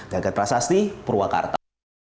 gagal prasasti purwakarta